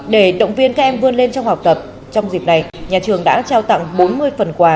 để động viên các em vươn lên trong học tập trong dịp này nhà trường đã trao tặng bốn mươi phần quà